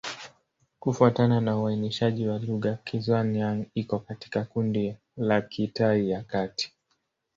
Kufuatana na uainishaji wa lugha, Kizhuang-Yang iko katika kundi la Kitai ya Kati.